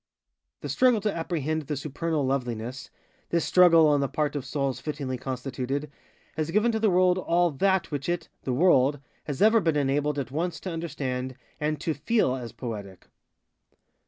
The struggle to apprehend the supernal LovelinessŌĆöthis struggle, on the part of souls fittingly constitutedŌĆöhas given to the world all _that _which it (the world) has ever been enabled at once to understand and _to feel _as poetic.